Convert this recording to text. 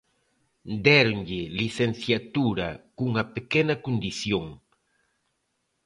Déronlle licenciatura, cunha pequena condición: